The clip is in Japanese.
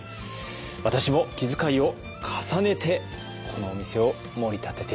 私も気遣いを重ねてこのお店をもり立てていこう！